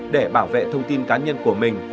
để bảo vệ thông tin cá nhân của mình